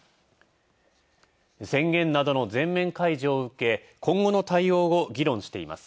宣言などの全面解除を受け、今後の対応を議論しています。